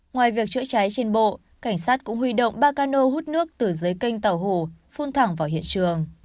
ngoài việc chữa cháy trên bộ cảnh sát cũng huy động ba cano hút nước từ dưới canh tàu hồ phun thẳng vào hiện trường